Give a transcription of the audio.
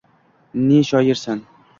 Ne shoirsan